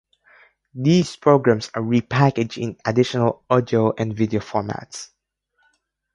These programs are repackaged in additional audio and video formats.